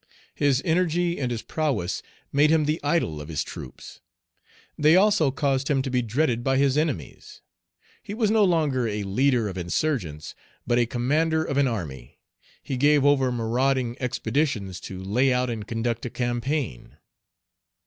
His energy and his prowess made him the idol of his troops. They also caused him to be dreaded by his enemies. He was no longer a leader of insurgents, but a commander of an army. He gave over marauding expeditions to lay out and conduct a campaign.